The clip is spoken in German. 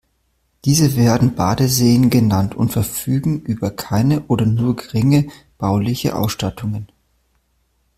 Diese werden Badeseen genannt und verfügen über keine oder nur geringe bauliche Ausstattungen.